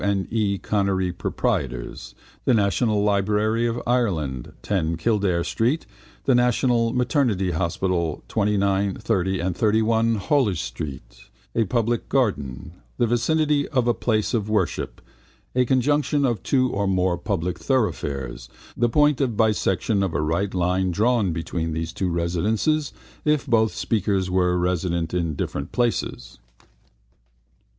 and E. Connery, proprietors), the National Library of Ireland, 10 Kildare street, the National Maternity Hospital, 29, 30 and 31 Holles street, a public garden, the vicinity of a place of worship, a conjunction of two or more public thoroughfares, the point of bisection of a right line drawn between their residences (if both speakers were resident in different places).